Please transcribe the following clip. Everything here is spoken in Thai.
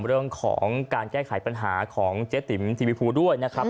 เรื่องของการแก้ไขปัญหาของเจ๊ติ๋มทีวีภูด้วยนะครับ